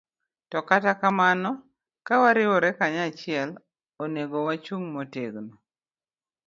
Kata kamano, ka wariwore kanyachiel, onego wachung ' motegno